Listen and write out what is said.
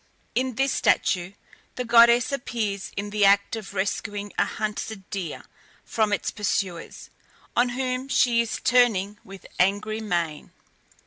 In this statue, the goddess appears in the act of rescuing a hunted deer from its pursuers, on whom she is turning with angry mien.